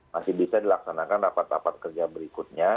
masih bisa dilaksanakan rapat rapat kerja berikutnya